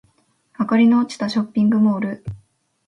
明かりの落ちたショッピングモール